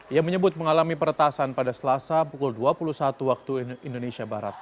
ia menyebut mengalami peretasan pada selasa pukul dua puluh satu waktu indonesia barat